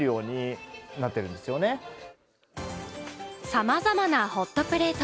さまざまなホットプレート。